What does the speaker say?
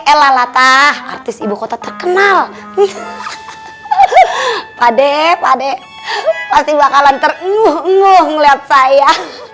kala kala tak artis ibukota terkenal nih pade pade pasti bakalan terenguh enguh ngeliat saya